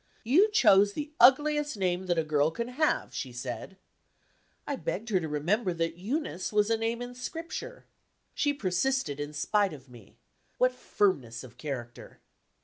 'You chose the ugliest name that a girl can have,' she said. I begged her to remember that 'Eunice' was a name in Scripture. She persisted in spite of me. (What firmness of character!)